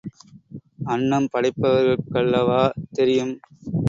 அன்னம் படைப்பவர்க்கல்லவா தெரியும்.